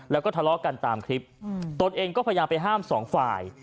แล้วก็ทะเลาะกันตามคลิปตนเองก็พยายามไปห้ามสองฝ่าย